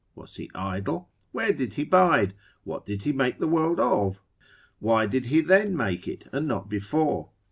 was he idle? Where did he bide? What did he make the world of? why did he then make it, and not before?